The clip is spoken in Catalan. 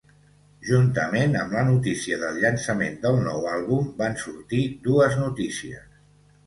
Juntament amb la notícia del llançament del nou àlbum van sortir dues notícies.